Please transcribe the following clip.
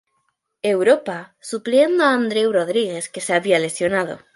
Europa, supliendo a Andreu Rodríguez que se había lesionado.